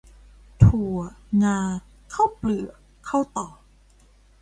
ถั่วงาข้าวเปลือกข้าวตอก